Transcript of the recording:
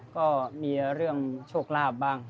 ก็มีเรื่องโชคลาภบ้าง